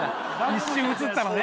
一瞬映ったのね